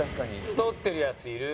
「太ってる奴いる？